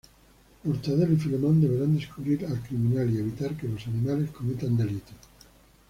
Mortadelo y Filemón deberán descubrir al criminal y evitar que los animales cometan delitos.